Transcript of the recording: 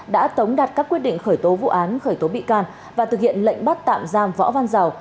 đã tống đặt các quyết định khởi tố vụ án khởi tố bị can và thực hiện lệnh bắt tạm giam võ văn giàu